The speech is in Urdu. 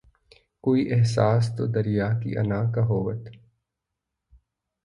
کوئی احساس تو دریا کی انا کا ہوت